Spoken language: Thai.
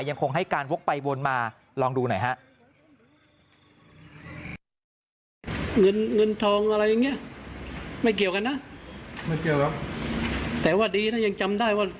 ยังคงให้การวกไปวนมาลองดูหน่อยฮะ